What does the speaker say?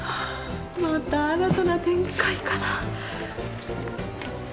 また新たな展開かな。